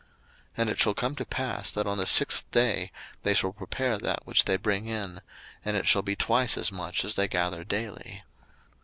02:016:005 And it shall come to pass, that on the sixth day they shall prepare that which they bring in; and it shall be twice as much as they gather daily.